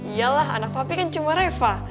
iyalah anak papi kan cuma reva